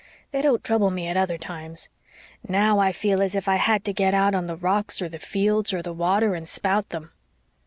They don't trouble me at other times. Now I feel as if I had to get out on the rocks or the fields or the water and spout them."